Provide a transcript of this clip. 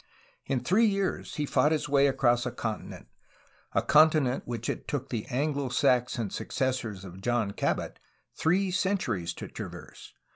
In three years he fought his way across a continent, a conti nent which it took the Anglo Saxon successors of John Cabot three centuries to traverse.